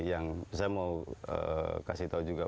yang saya mau kasih tahu juga